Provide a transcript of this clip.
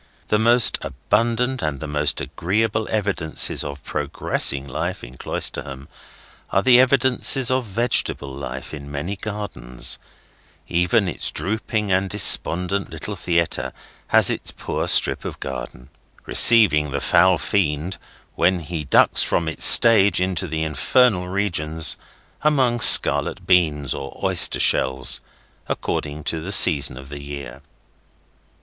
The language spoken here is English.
The most abundant and the most agreeable evidences of progressing life in Cloisterham are the evidences of vegetable life in many gardens; even its drooping and despondent little theatre has its poor strip of garden, receiving the foul fiend, when he ducks from its stage into the infernal regions, among scarlet beans or oyster shells, according to the season of the year.